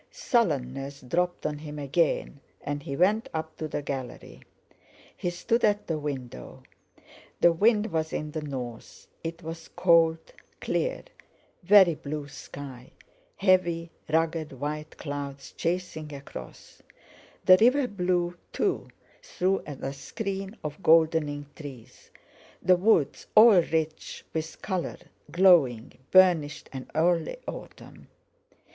Sullenness dropped on him again, and he went up to the gallery. He stood at the window. The wind was in the north; it was cold, clear; very blue sky, heavy ragged white clouds chasing across; the river blue, too, through the screen of goldening trees; the woods all rich with colour, glowing, burnished—an early autumn.